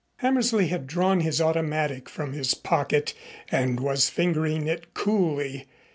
Hammersley had drawn his automatic from his pocket and was fingering it coolly.